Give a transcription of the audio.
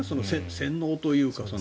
洗脳というか。